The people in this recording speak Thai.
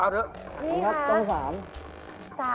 นี่ค่ะ